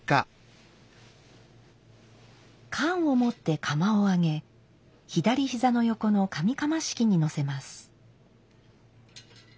鐶を持って釜を上げ左膝の横の紙釜敷にのせます。